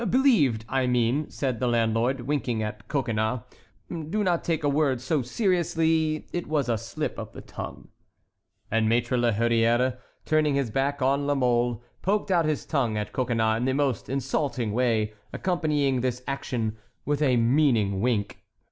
"Believed, I mean," said the landlord, winking at Coconnas; "do not take a word too seriously, it was a slip of the tongue." And Maître La Hurière, turning his back on La Mole, poked out his tongue at Coconnas in the most insulting way, accompanying this action with a meaning wink.